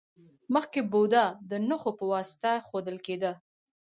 مخکې بودا د نښو په واسطه ښودل کیده